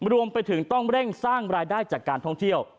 รวมไปถึงต้องเร่งสร้างรายได้จากการท่องเที่ยว